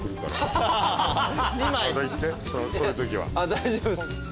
大丈夫です。